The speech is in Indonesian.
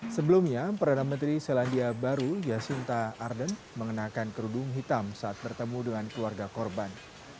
sebelumnya perdana menteri selandia baru yasinta arden mengenakan kerudung hitam saat bertemu dengan keluarga korban